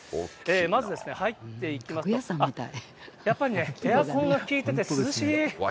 まず入っていきますと、やっぱりね、エアコンが効いてて涼しい。